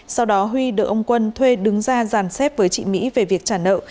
sau đó huy được ông quân thuê đứng ra giàn xếp với chị mỹ về việc trả nợ